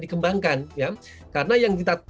dikembangkan karena yang kita